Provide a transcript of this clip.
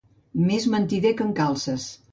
Més mentider que en Calces.